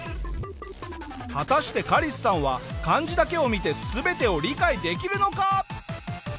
果たしてカリスさんは漢字だけを見て全てを理解できるのか！？